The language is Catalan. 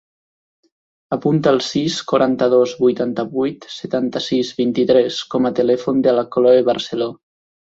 Apunta el sis, quaranta-dos, vuitanta-vuit, setanta-sis, vint-i-tres com a telèfon de la Chloe Barcelo.